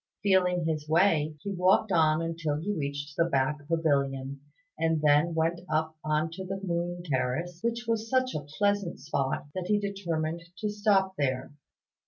Feeling his way, he walked on until he reached the back pavilion, and then went up on to the Moon Terrace, which was such a pleasant spot that he determined to stop there.